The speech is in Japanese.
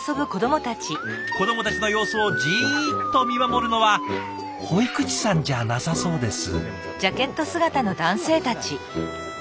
子どもたちの様子をじっと見守るのは保育士さんじゃなさそうです。